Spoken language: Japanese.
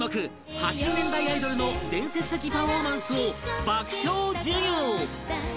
８０年代アイドルの伝説的パフォーマンスを爆笑授業